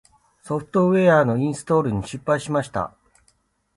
ソフトウェアのインストールに失敗しました。